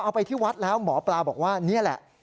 ไปที่วัดแล้วหมอปลาบอกว่านี่แหละ